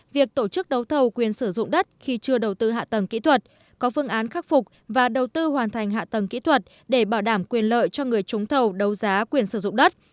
việc tổ chức đấu thầu quyền sử dụng đất khi chưa đầu tư hạ tầng kỹ thuật có phương án khắc phục và đầu tư hoàn thành hạ tầng kỹ thuật để bảo đảm quyền lợi cho người trúng thầu đấu giá quyền sử dụng đất